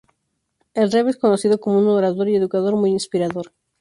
El rebe es conocido como un orador y educador muy inspirador.